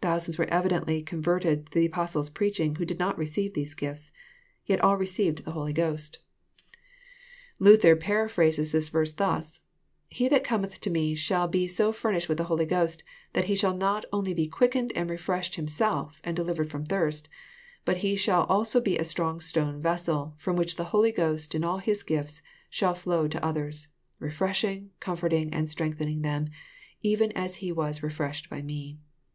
Thousands were evidently con rerted through the Apostles' preaching who did not receive these gifts. Yet all received the Holy Ghost. 48 EXPO8IT0RT THOUGHTS. Luther paraphrases this Terse thus :He that cometh to me shall be so fhrnished with the Holy Ghost, that he shall not only be qalckeDed and refteshed himself and delivered from thirst, bat he shall also be a 6tron«: stone vessel, from which the Holy Ghost in all His gifts shall flow to others, reflreshin^, comforting, and strengthening them, even as he was refreshed by me.